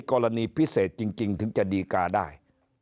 กรณีพิเศษจริงถึงจะดีกาได้